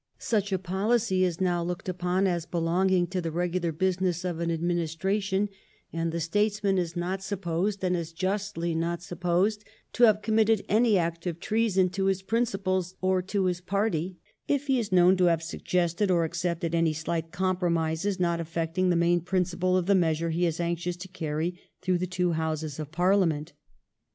Such a policy is now looked upon as belonging to the regular business of an administration, and the states man is not supposed, and is justly not supposed, to have committed any act of treason to his principles or his party if he is known to have suggested or accepted any slight compromises not affecting the main principle of the measure he is anxious to carry through the two Houses of Parliament.